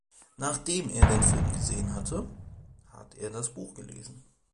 Nachdem er den Film gesehen hatte, hat er das Buch gelesen.